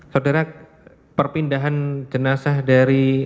saudara perpindahan jenazah dari abdiwaluyo berapa